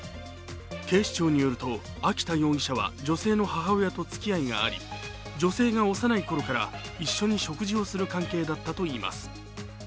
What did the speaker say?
警視庁によると、秋田容疑者は女性の母親とつきあいがあり、女性が幼いころから一緒に食事をする関係だったといいます。